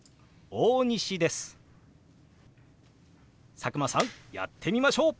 佐久間さんやってみましょう！